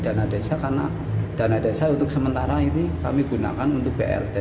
karena dana desa untuk sementara ini kami gunakan untuk brd